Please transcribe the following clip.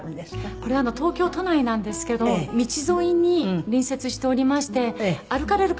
これ東京都内なんですけれども道沿いに隣接しておりまして歩かれる方